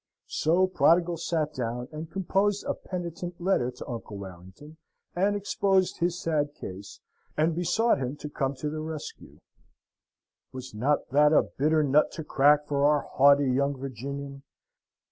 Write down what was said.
So Prodigal sate down and composed a penitent letter to Uncle Warrington, and exposed his sad case, and besought him to come to the rescue. Was not that a bitter nut to crack for our haughty young Virginian?